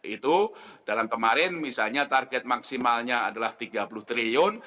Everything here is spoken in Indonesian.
itu dalam kemarin misalnya target maksimalnya adalah tiga puluh triliun